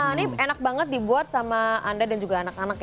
ini enak banget dibuat sama anda dan juga anak anak ya